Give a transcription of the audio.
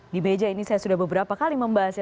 di meja ini saya sudah beberapa kali membahasnya